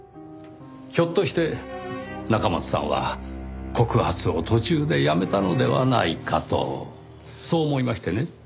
ひょっとして中松さんは告発を途中でやめたのではないかとそう思いましてね。